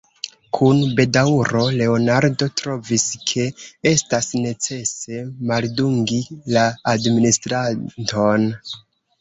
Kun bedaŭro Leonardo trovis, ke estas necese maldungi la administranton.